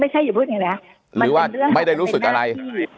หรือว่าไม่ได้รู้สึกอะไร